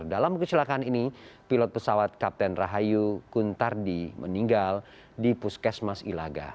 dalam kecelakaan ini pilot pesawat kapten rahayu kuntardi meninggal di puskesmas ilaga